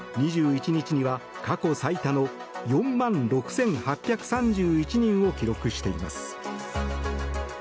２１日には過去最多の４万６８３１人を記録しています。